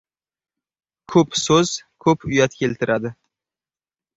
• Ko‘p so‘z ko‘p uyat keltiradi.